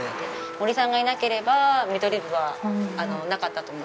森さんがいなければミドリブはなかったと思います。